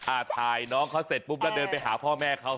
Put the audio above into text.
ถ่ายน้องเขาเสร็จปุ๊บแล้วเดินไปหาพ่อแม่เขา